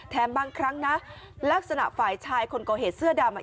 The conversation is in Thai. บางครั้งนะลักษณะฝ่ายชายคนก่อเหตุเสื้อดำ